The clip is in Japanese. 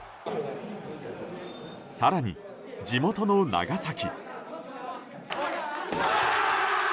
更に、地元の長崎。